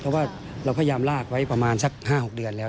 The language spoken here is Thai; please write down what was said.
เพราะว่าเราพยายามลากไว้ประมาณสัก๕๖เดือนแล้ว